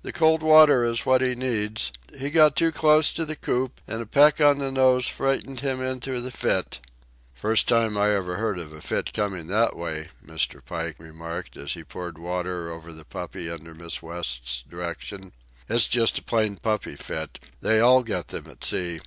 The cold water is what he needs. He got too close to the coop, and a peck on the nose frightened him into the fit." "First time I ever heard of a fit coming that way," Mr. Pike remarked, as he poured water over the puppy under Miss West's direction. "It's just a plain puppy fit. They all get them at sea."